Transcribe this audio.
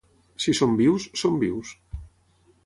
Si som vius, som vius.